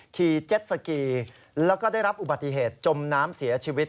เจ็ดสกีแล้วก็ได้รับอุบัติเหตุจมน้ำเสียชีวิต